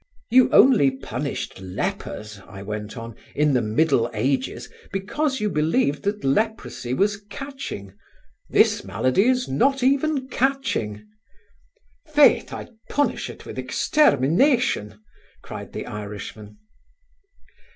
"You only punished lepers," I went on, "in the middle ages, because you believed that leprosy was catching: this malady is not even catching." "Faith, Oi'd punish it with extermination," cried the Irishman.